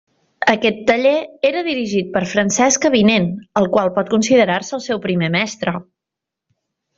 Aquest taller era dirigit per Francesc Avinent, el qual pot considerar-se el seu primer mestre.